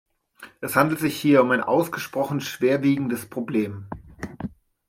Es handelt sich hier um ein ausgesprochen schwerwiegendes Problem.